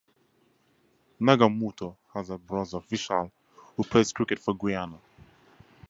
Nagamootoo has a brother Vishal, who plays cricket for Guyana.